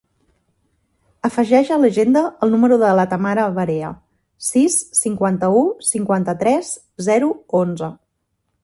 Afegeix a l'agenda el número de la Tamara Barea: sis, cinquanta-u, cinquanta-tres, zero, onze.